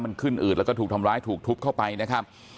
มันขึ้นอืดแล้วก็ถูกทำร้ายถูกทุบเข้าไปนะครับ